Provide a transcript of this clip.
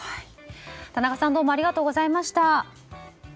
田中さんどうもありがとうございました。